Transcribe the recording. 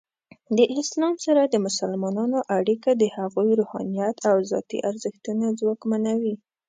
د اسلام سره د مسلمانانو اړیکه د هغوی روحانیت او ذاتی ارزښتونه ځواکمنوي.